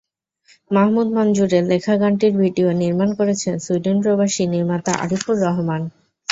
মাহমুদ মানজুরের লেখা গানটির ভিডিও নির্মাণ করেছেন সুইডেন প্রবাসী নির্মাতা আরিফুর রহমান।